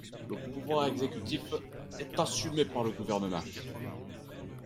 Le pouvoir exécutif est assumé par le gouvernement.